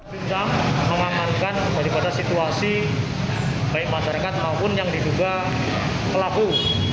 kita memamankan berdasarkan situasi baik masyarakat maupun yang diduga kelaku